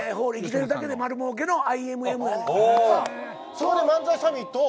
そこで漫才サミットを。